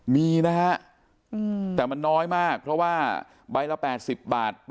มีนะฮะแต่มันน้อยมากเพราะว่าใบละ๘๐บาท